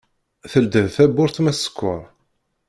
Teldiḍ tawwurt ma tsekker.